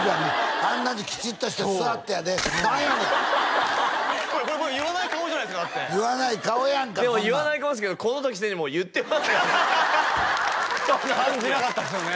あんなにきちっとして座ってやで何やねんこれ言わない顔じゃないですか言わない顔やんかこんなのでも言わない顔ですけどこの時すでにもう言ってますからねこの時は感じなかったですよね